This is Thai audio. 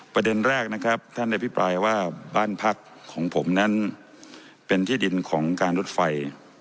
ประเด็นแรกนะครับท่านอภิปรายว่าบ้านพักของผมนั้นเป็นที่ดินของการรถไฟ